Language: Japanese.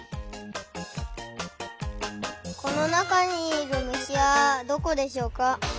このなかにいるむしはどこでしょうか？